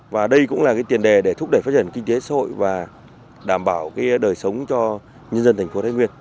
và đây cũng là tiền đề để thúc đẩy phát triển kinh tế xã hội và đảm bảo đời sống cho nhân dân thành phố thái nguyên